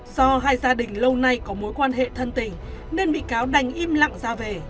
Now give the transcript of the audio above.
do hai gia đình lâu nay có mối quan hệ thân tình nên bị cáo đành im lặng ra về